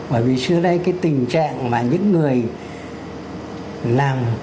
bởi vì trước đây cái tình trạng mà những người làm cái